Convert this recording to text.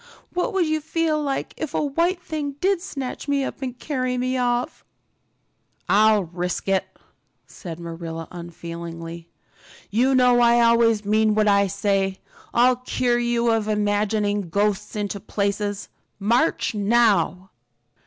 "What would you feel like if a white thing did snatch me up and carry me off?" "I'll risk it," said Marilla unfeelingly. "You know I always mean what I say. I'll cure you of imagining ghosts into places. March, now."